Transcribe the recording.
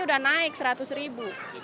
itu udah naik rp seratus